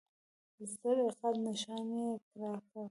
د سره عقاب نښان یې راکړ.